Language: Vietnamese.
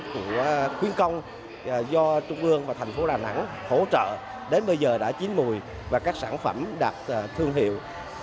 của khuyến công do trung ương và thành phố đà nẵng hỗ trợ đến bây giờ đã chín mùi và các sản phẩm đạt thương hiệu